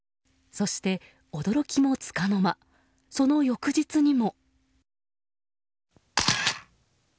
そして、驚きもつかの間その翌日にも。